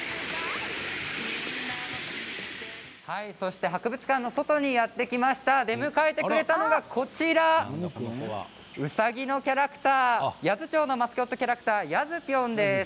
そして博物館の外にやって来てくれたのがこちらうさぎのキャラクター八頭町のマスコットキャラクターやずぴょんです。